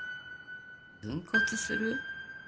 分骨する？